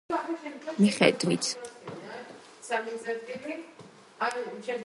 მიხედვით